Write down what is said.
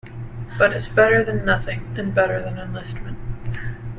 But it's better than nothing, and better than enlistment.